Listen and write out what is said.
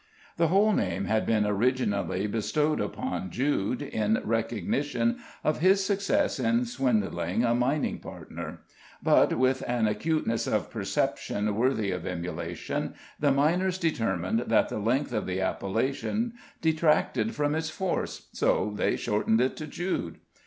The whole name had been originally bestowed upon Jude, in recognition of his success in swindling a mining partner; but, with an acuteness of perception worthy of emulation, the miners determined that the length of the appellation detracted from its force, so they shortened it to Jude.